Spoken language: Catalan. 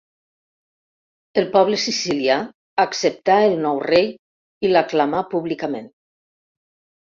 El poble sicilià acceptà el nou rei i l'aclamà públicament.